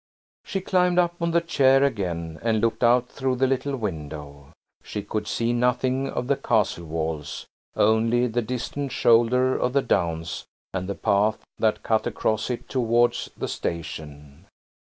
She climbed up on the chair again and looked out through the little window. She could see nothing of the Castle walls–only the distant shoulder of the downs and the path that cut across it towards the station.